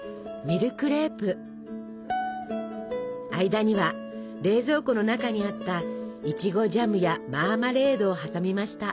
間には冷蔵庫の中にあったいちごジャムやマーマレードを挟みました。